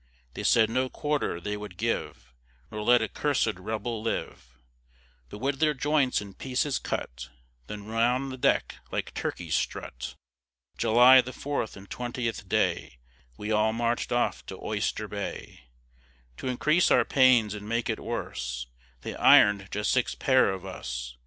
They said no quarter they would give Nor let a cursèd rebel live; But would their joints in pieces cut, Then round the deck like turkeys strut. July, the fourth and twentieth day, We all marched off to Oyster Bay; To increase our pains and make it worse, They iron'd just six pair of us.